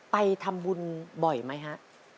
ไปทำบุญบ่อยไหมฮะ